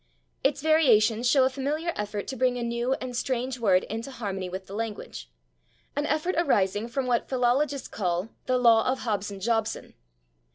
Its variations show a familiar effort to bring a new and strange word into harmony with the language an effort arising from what philologists call the law of Hobson Jobson.